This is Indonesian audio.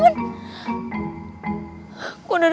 kurangnya aku mau cari dia